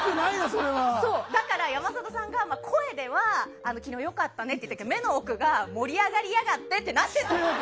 だから山里さんが声では昨日良かったねって言ってたけど、目の奥が盛り上がりやがってってなってた。